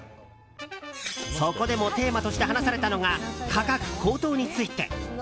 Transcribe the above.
そこでもテーマとして話されたのが、価格高騰について。